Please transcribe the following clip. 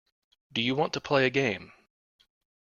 Do you want to play a game.